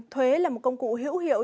thuế là một công cụ hữu hiệu